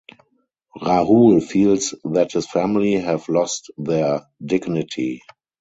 Rahul feels that his family have lost their dignity.